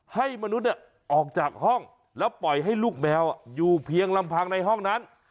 ให้มนุษย์ออกจากห้องแล้วปล่อยให้ลูกแมวอยู่เพียงลำพังในห้องนั้น